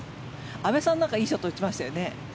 阿部さんなんかいいショットを打ちましたよね。